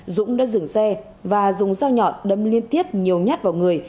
dũng đã dừng xe và dùng dao nhọn đâm liên tiếp nhiều nhát vào người